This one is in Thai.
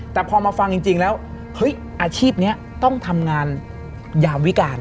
แต่พอมาฟังจริงแล้วอาชีพนี้ต้องทำงานยามวิการ